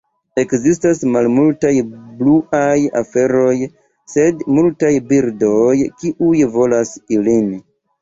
Ekzistas malmultaj bluaj aferoj, sed multaj birdoj kiuj volas ilin.